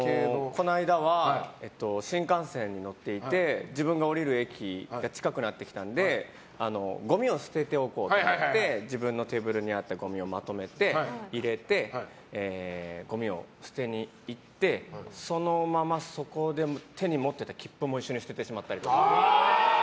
この間は、新幹線に乗っていて自分が降りる駅が近くなってきたのでごみを捨てておこうと思って自分のテーブルにあったごみをまとめて、入れてごみを捨てに行ってそのまま、そこで手に持っていた切符も一緒に捨ててしまったりとか。